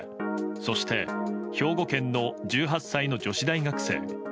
そして兵庫県の１８歳の女子大学生。